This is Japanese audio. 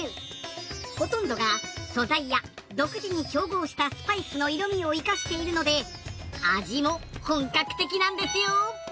ほとんどが素材や独自に調合したスパイスの色味を生かしているので味も本格的なんですよ！